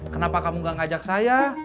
kenapa kamu gak ngajak saya